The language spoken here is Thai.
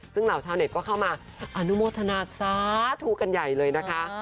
ซึ่งเหล่าชาวเน็ตก็เข้ามาอนุโมทนาสาธุกันใหญ่เลยนะคะ